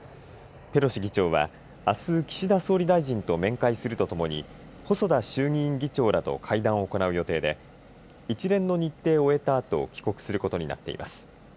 ペロシ議長はあす岸田総理大臣と面会するとともに細田衆議院議長らと会談を行う予定で一連の日程を終えたあと帰国することになっています。